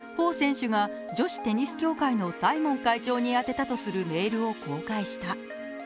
中国の国営メディアは昨日、彭選手が女子テニス協会のサイモン会長に宛てたとするメールを公開した。